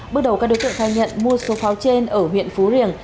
bước đầu các đối tượng khai nhận mua số pháo trên ở huyện phú riềng